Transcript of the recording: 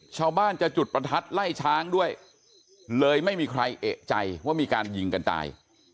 ชาวบ้านจะจุดประทัดไล่ช้างด้วยเลยไม่มีใครเอกใจว่ามีการยิงกันตาย